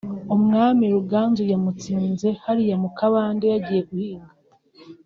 umwami Ruganzu yamutsinze hariya mu kabande yagiye guhiga